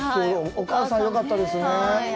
お母さん、よかったですね。